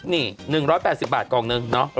นี่๑๘๐บาทกล่องนึงเนาะ